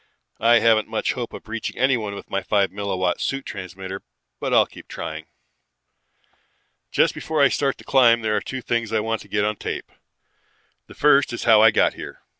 I haven't much hope of reaching anyone with my five milliwatt suit transmitter but I'll keep trying. "Just before I start the climb there are two things I want to get on tape. The first is how I got here.